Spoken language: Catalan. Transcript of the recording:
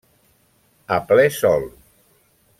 A ple sol.